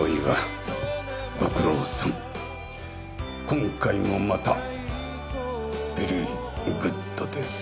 今回もまたベリーグッドです。